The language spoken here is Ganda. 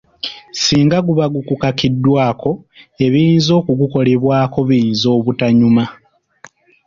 Singa guba gukukakiddwako ebiyinza okugukolebwao biyinza obutanyuma.